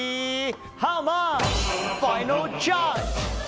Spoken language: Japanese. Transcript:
ハウマッチファイナルジャッジ！